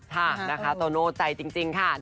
ค่ะนะคะโตโน่ใจจริงค่ะ